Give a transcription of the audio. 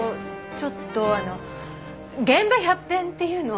ちょっとあの現場百遍っていうの？